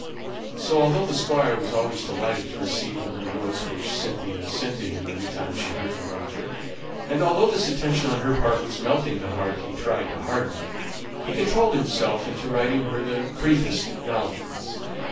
So although the Squire was always delighted to receive the little notes which Cynthia sent him every time she heard from Roger, and although this attention on her part was melting the heart he tried to harden, he controlled himself into writing her the briefest acknowledgments.